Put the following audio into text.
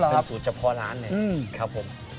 เป็นสูตรเฉพาะร้าน